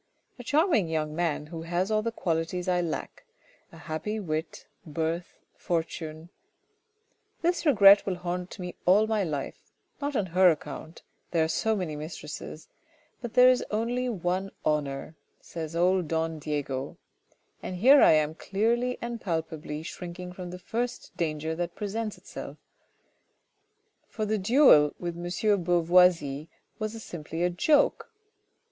A charming young man who has all the qualities I lack. A happy wit, birth, fortune " This regret will haunt me all my life, not on her account, ' there are so many mistresses !... but there is only one honour !' says old don Diego. And here am I clearly and palpably shrinking from the first danger that presents itself; for the duel with M. de Beauvoisis was simply a joke.